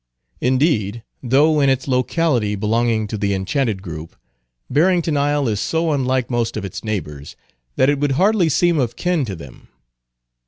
Indeed, though in its locality belonging to the Enchanted group, Barrington Isle is so unlike most of its neighbors, that it would hardly seem of kin to them.